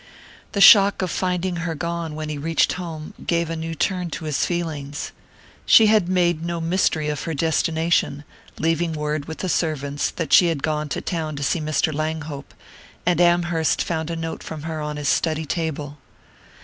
The shock of finding her gone when he reached home gave a new turn to his feelings. She had made no mystery of her destination, leaving word with the servants that she had gone to town to see Mr. Langhope; and Amherst found a note from her on his study table.